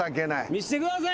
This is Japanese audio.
見してくださいよ！